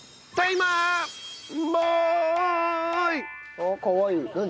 あっかわいい。